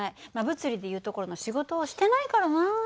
物理でいうところの仕事をしてないからな。